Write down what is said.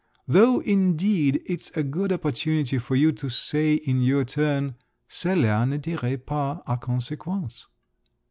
Though indeed it's a good opportunity for you to say in your turn: Cela ne tire pas à conséquence!"